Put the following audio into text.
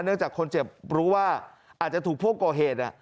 จากคนเจ็บรู้ว่าอาจจะถูกพวกก่อเหตุ